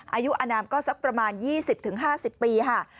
อายุอนามก็สักประมาณ๒๐๕๐ปีค่ะ